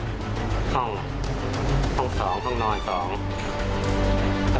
ว่าเป็นความสะอาดห้องห้องโน่น๒